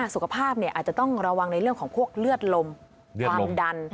สุขภาพอาจจะต้องระวังในเรื่องของพวกเลือดลมความดัน